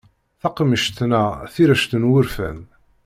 Takemmict neɣ tirect n wurfan.